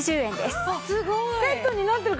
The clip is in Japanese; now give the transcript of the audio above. すごーい！